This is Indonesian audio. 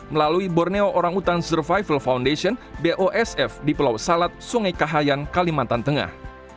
melalui borneo orang hutan survival foundation di pelau salat sungai kahayan kalimantan tengah